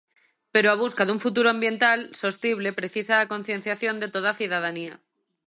Pero a busca dun futuro ambiental sostible precisa da concienciación de toda a cidadanía.